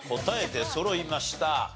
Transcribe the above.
答え出そろいました。